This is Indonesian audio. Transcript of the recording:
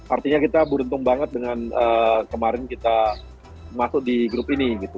artinya kita beruntung banget dengan kemarin kita masuk di grup ini gitu